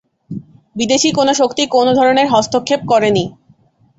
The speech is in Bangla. বিদেশী কোন শক্তি কোন ধরনের হস্তক্ষেপ করেনি।